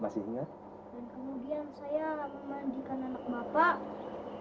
memandikan anak bapak